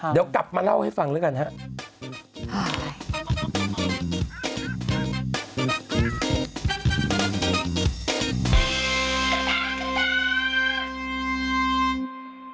เดี๋ยวกลับมาเล่าให้ฟังแล้วกันครับ